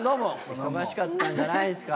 忙しかったんじゃないですか？